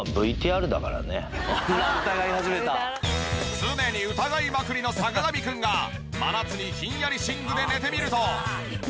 常に疑いまくりの坂上くんが真夏にひんやり寝具で寝てみると。